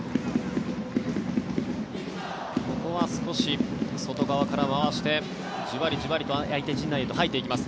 ここは少し外側から回してじわりじわりと相手陣内へと入っていきます。